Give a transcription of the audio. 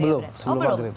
belum sebelum maghrib